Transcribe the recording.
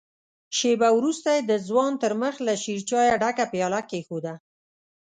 شېبه وروسته يې د ځوان تر مخ له شيرچايه ډکه پياله کېښوده.